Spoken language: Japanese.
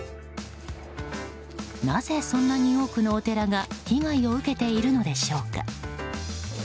なぜ、そんなに多くのお寺が被害を受けているのでしょうか。